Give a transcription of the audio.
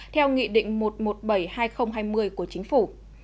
theo nghị định một trăm một mươi bảy hai nghìn hai mươi của chính phủ